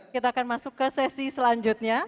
kita akan masuk ke sesi selanjutnya